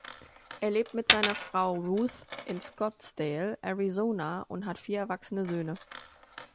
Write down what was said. Er lebt mit seiner Frau Ruth in Scottsdale, Arizona und hat vier erwachsene Söhne.